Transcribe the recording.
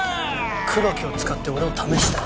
クロキを使って俺を試した。